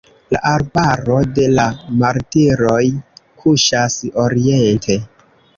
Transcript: La arbaro de la martiroj kuŝas oriente.